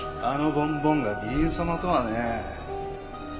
あのボンボンが議員様とはねえ。